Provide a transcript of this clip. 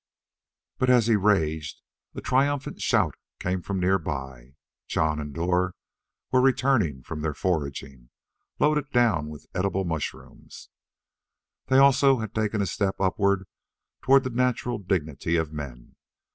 But as he raged, a triumphant shout came from nearby. Jon and Dor were returning from their foraging, loaded down with edible mushroom. They, also, had taken a step upward toward the natural dignity of men.